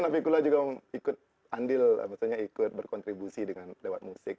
nah fikula juga ikut andil maksudnya ikut berkontribusi dengan dewan musik